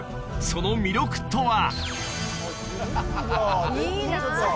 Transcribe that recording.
その魅力とは？